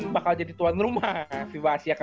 bakal jadi tuan rumah vibahasiaka dua ribu dua puluh satu